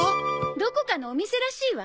どこかのお店らしいわ。